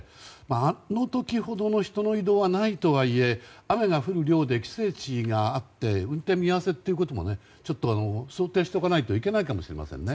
あの時ほどの人の移動はないとはいえ雨が降る量で規制値があって運転見合わせということも想定しておかないといけないかもしれないですね。